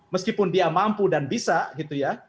meskipun dia mampu dan bisa gitu ya